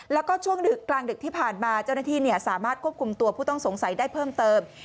แล้วก็ช่วงกลางดึกที่ผ่านมาเจ้าหน้าที่สามารถควบคุมตัวผู้ต้องสงสัยได้เพิ่มเติม